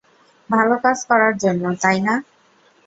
ভালো কাজ করার জন্য, তাই না?